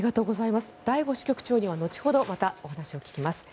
醍醐支局長には後ほどまたお話をお聞きします。